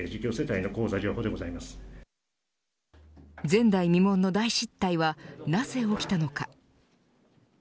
前代未聞の大失態はなぜ起きたのか。